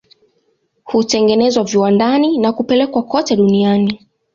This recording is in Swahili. Hutengenezwa viwandani na kupelekwa kote duniani.